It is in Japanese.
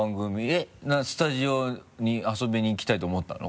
えっスタジオに遊びに来たいと思ったの？